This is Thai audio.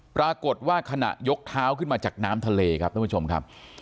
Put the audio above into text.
ปรากฏว่าขณะยกเท้าขึ้นมาจากน้ำทะเลครับท่านผู้ชมครับ